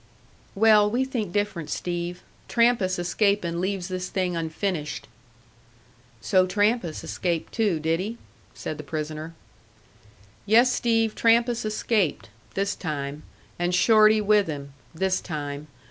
"Well, we think different, Steve. Trampas escaping leaves this thing unfinished." "So Trampas escaped too, did he?" said the prisoner. "Yes, Steve, Trampas escaped this time; and Shorty with him this time.